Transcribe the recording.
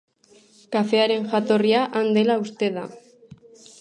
Kafearen jatorria han dela uste da.